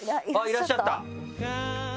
いらっしゃった？